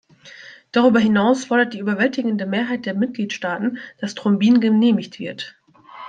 Darüber hinaus fordert die überwältigende Mehrheit der Mitgliedstaaten, dass Thrombin genehmigt wird.